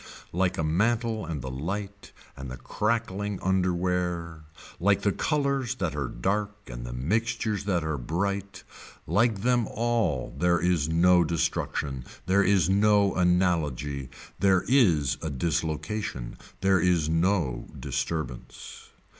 Like the mantle and the light and the crackling underwear, like the colors that are dark and the mixtures that are bright, like them all there is no destruction, there is no analogy, there is a dislocation, there is no disturbance.